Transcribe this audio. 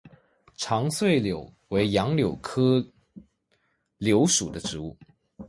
长穗柳为杨柳科柳属的植物。